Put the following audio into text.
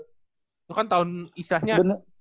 itu kan tahun istilahnya